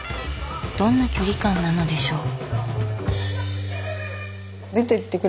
どんな距離感なのでしょう。